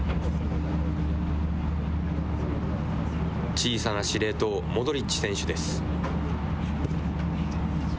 小さな司令塔、モドリッチ選手です。